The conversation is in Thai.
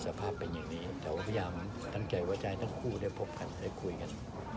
ก็พาคืนอย่างนี้แต่ว่าพยายามละกายหวัตชายทั้งคู่ได้พบกันได้คุยกัน